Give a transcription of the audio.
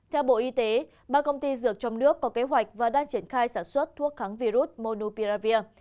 theo bộ y tế ba công ty dược trong nước có kế hoạch và đang triển khai sản xuất thuốc kháng virus monupiravir